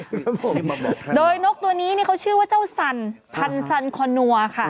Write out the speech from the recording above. ครับผมมันมาแบบนั้นโดยนกตัวนี้นี่เขาชื่อว่าเจ้าสันพันธุ์สันคอนัวค่ะ